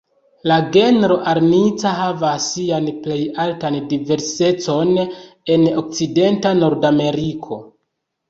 La genro "Arnica"havas sian plej altan diversecon en okcidenta Nordameriko.